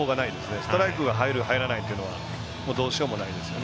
ストライクが入る、入らないというのはどうしようもないですね。